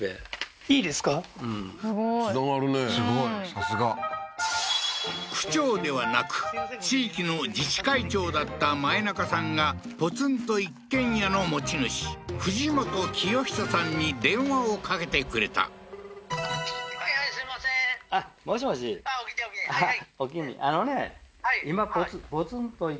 さすが区長ではなく地域の自治会長だった前中さんがポツンと一軒家の持ち主フジモトキヨヒトさんに電話をかけてくれたはははっははははっ